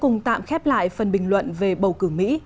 chúng ta sẽ cùng tạm khép lại phần bình luận về bầu cử mỹ